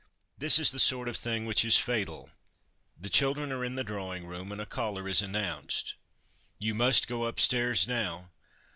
This is the sort of thing which is fatal : The children are in the drawing room, and a caller is announced. 1 You must go upstairs now.'